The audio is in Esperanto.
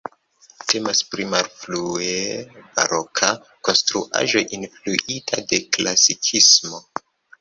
Temas pri malfrue baroka konstruaĵo influita de klasikismo.